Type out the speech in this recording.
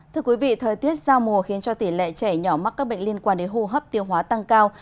thưa quý vị thời tiết giao mùa khiến cho tỷ lệ trẻ nhỏ mắc các bệnh liên quan đến hô hấp tiêu hóa tăng cao